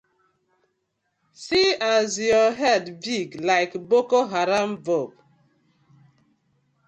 See as yu head big like Boko Haram bomb.